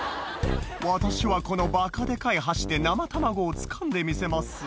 「私はこのバカデカい箸で生卵をつかんでみせます」